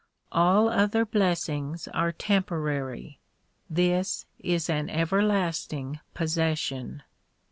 All other blessings are temporary ; this is an everlasting possession.